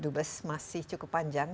dubes masih cukup panjang